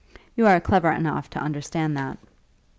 You are clever enough to understand that."